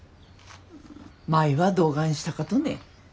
舞はどがんしたかとね？